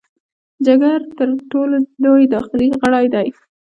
جګر تر ټولو لوی داخلي غړی دی.